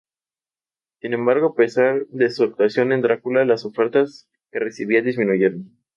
Sin embargo, a pesar de su actuación en "Drácula", las ofertas que recibía disminuyeron.